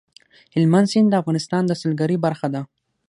هلمند سیند د افغانستان د سیلګرۍ برخه ده.